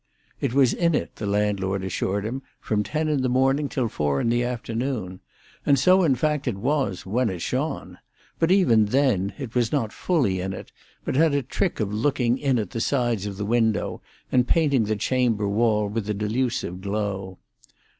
It was in it, the landlord assured him, from ten in the morning till four in the afternoon; and so, in fact, it was, when it shone; but even then it was not fully in it, but had a trick of looking in at the sides of the window, and painting the chamber wall with a delusive glow.